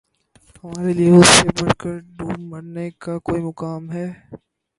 ہمارے لیے اس سے بڑھ کر دوب مرنے کا کوئی مقام ہے